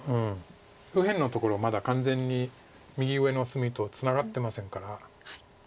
右辺のところまだ完全に右上の隅とツナがってませんから。